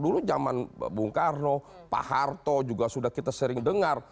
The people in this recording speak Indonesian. dulu zaman bung karno pak harto juga sudah kita sering dengar